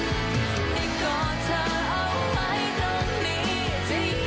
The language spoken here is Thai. ได้มองว่าบางสุดท้ายของเธอวันนี้